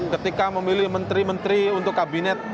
ketika memilih menteri menteri untuk kabinet